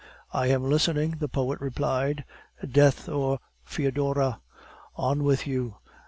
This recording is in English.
"I am listening," the poet replied. "Death or Foedora! On with you!